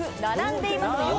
並んでいます。